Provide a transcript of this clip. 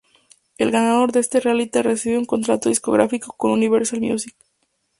El ganador de este reality recibe un contrato discográfico con Universal Music.